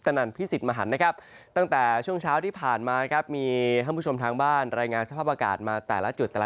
นั่นพิสิทธิ์มหันนะครับตั้งแต่ช่วงเช้าที่ผ่านมาครับมีท่านผู้ชมทางบ้านรายงานสภาพอากาศมาแต่ละจุดแต่ละ